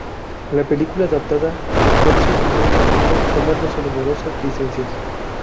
La película adapta el tercio final del libro, tomándose numerosas licencias.